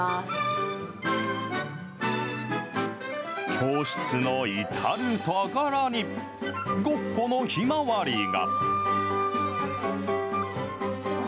教室の至る所に、ゴッホのひまわりが。